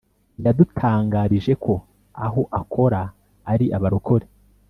yadutangarije ko aho akora ari abarokore